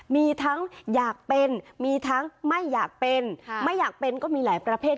มีทั้งอยากเป็นมีทั้งไม่อยากเป็นไม่อยากเป็นก็มีหลายประเภท